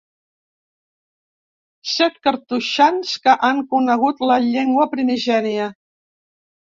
Set cartoixans que han conegut la llengua primigènia.